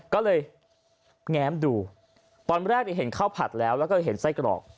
ก็เลยแง้มดูตอนแรกเห็นข้าวผัดแล้วแล้วก็เห็นไส้กรอก